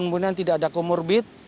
kemudian tidak ada komorbit